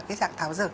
cái dạng tháo dược